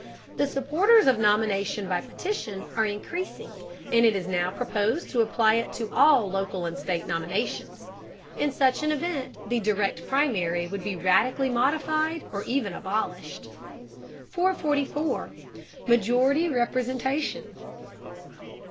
The supporters of nomination by petition are increasing, and it is now proposed to apply it to all local and state nominations. In such an event the Direct Primary would be radically modified, or even abolished. 444. MAJORITY REPRESENTATION.